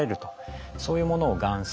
そういうものを含水